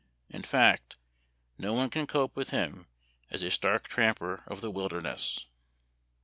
... In fact, no one can cope with him as a stark tramper of the wilderness."